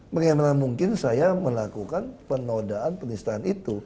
bagaimana mungkin saya melakukan penodaan penistaan itu